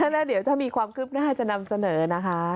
แล้วเดี๋ยวถ้ามีความคืบหน้าจะนำเสนอนะคะ